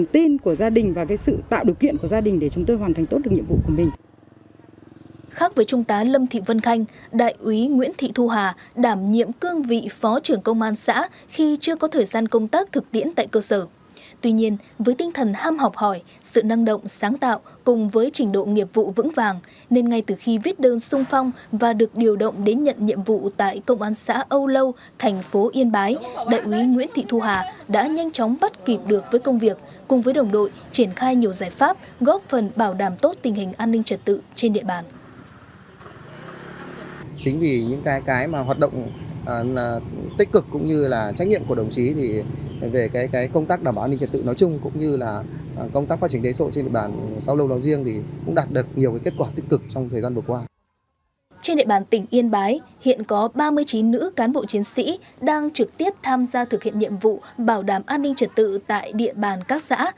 trên địa bàn tỉnh yên bái hiện có ba mươi chín nữ cán bộ chiến sĩ đang trực tiếp tham gia thực hiện nhiệm vụ bảo đảm an ninh trật tự tại địa bàn cấp xã